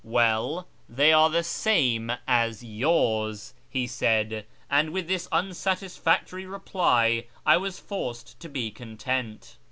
" Well, they are the same as yours," he said ; and with this unsatisfactory reply I was forced to be content.